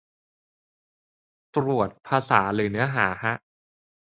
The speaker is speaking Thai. ตรวจภาษาหรือเนื้อหาฮะ